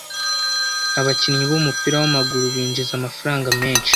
Abakinnyi b'umupira w'amaguru binjiza amafaranga menshi.